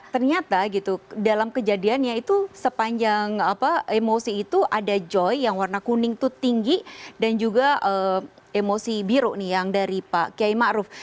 nah ternyata gitu dalam kejadiannya itu sepanjang apa emosi itu ada joy yang warna kuning tuh tinggi dan juga emosi biru nih yang dari pak kiai ma'ruf